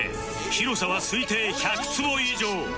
広さは推定１００坪以上